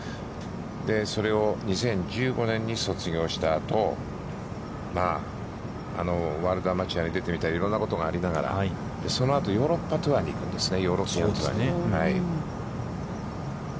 それを２０１５年に卒業したあと、ワールドアマチュアに出てみたりいろんなことがありながら、そのあと、ヨーロッパツアーに行くんですね。